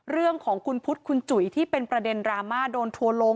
เรื่องของคุณพุทธคุณจุ๋ยที่เป็นประเด็นดราม่าโดนทัวร์ลง